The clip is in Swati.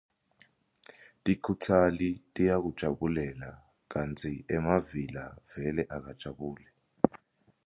Tikhutsali tiyakujabulela kantsi emavila vele akajabuli.